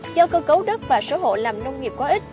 do cơ cấu đất và số hộ làm nông nghiệp có ích